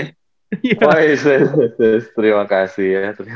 woy terima kasih ya terima kasih